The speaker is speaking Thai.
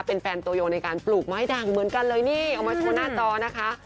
เป็นแฟนตัวโยงในการปลูกไม้ดังเหมือนกันเลยนี่เอามาโชว์หน้าจอนะคะ